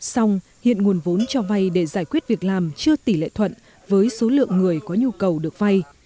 xong hiện nguồn vốn cho vay để giải quyết việc làm chưa tỷ lệ thuận với số lượng người có nhu cầu được vay